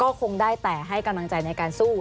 ก็คงได้แต่ให้กำลังใจในการสู้